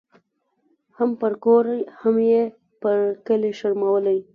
هم پر کور هم یې پر کلي شرمولې